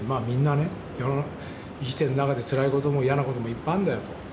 みんなね生きてる中でつらいことも嫌なこともいっぱいあるんだよと。